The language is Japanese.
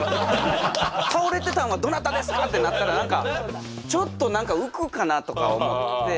「倒れてたんはどなたですか？」ってなったら何かちょっと何か浮くかなとか思ってすごい練習して。